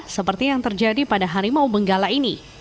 seperti yang terjadi pada harimau benggala ini